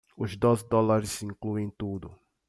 Os doze dólares incluem tudo.